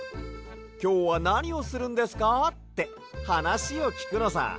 「きょうはなにをするんですか？」ってはなしをきくのさ。